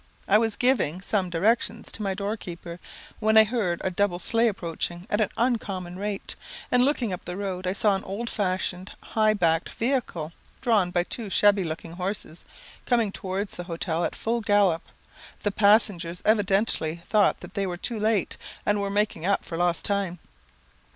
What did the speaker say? I was giving some directions to my door keeper, when I heard a double sleigh approaching at an uncommon rate; and looking up the road, I saw an old fashioned, high backed vehicle, drawn by two shabby looking horses, coming towards the hotel at full gallop. The passengers evidently thought that they were too late, and were making up for lost time.